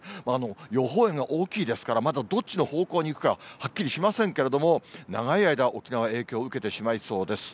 予報円が大きいですから、まだどっちの方向に行くかはっきりしませんけれども、長い間、沖縄、影響を受けてしまいそうです。